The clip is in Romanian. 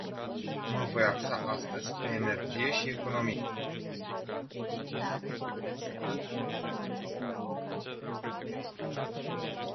Mă voi axa astăzi pe energie și economie.